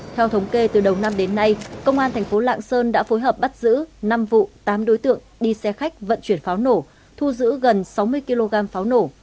theo thống kê từ đầu năm đến nay công an thành phố lạng sơn đã phối hợp bắt giữ năm vụ tám đối tượng đi xe khách vận chuyển pháo nổ thu giữ gần sáu mươi kg pháo nổ